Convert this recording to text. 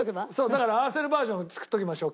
だから合わせるバージョンも作っておきましょうか。